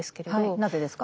なぜですか？